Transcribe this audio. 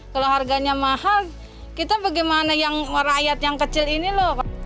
kalau harganya mahal kita bagaimana yang rakyat yang kecil ini loh